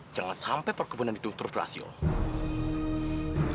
jangan sampai perkebunan itu terberasi pak